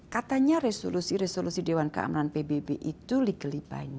katanya resolusi resolusi dewan keamanan pbb itu legal